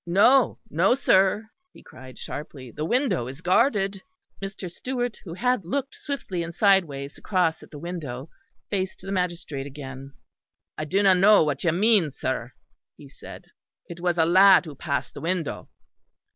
No, no, sir," he cried sharply, "the window is guarded." Mr. Stewart, who had looked swiftly and sideways across at the window, faced the magistrate again. "I do not know what you mean, sir," he said. "It was a lad who passed the window."